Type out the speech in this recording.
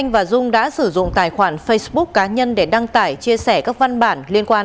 vào đầu tháng tám năm hai nghìn hai mươi